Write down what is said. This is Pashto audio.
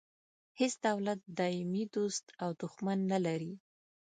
هیڅ سیاست دایمي دوست او دوښمن نه لري.